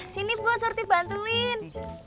sini bu surti bantuin